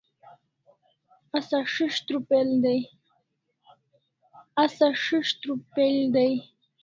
Asa si's' trupel dai